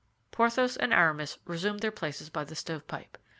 Porthos and Aramis resumed their places by the stovepipe.